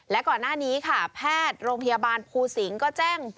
และก่อนหน้านี้ค่ะแพทย์โรงพยาบาลภูสิงศ์ก็แจ้ง